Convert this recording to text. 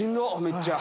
めっちゃ。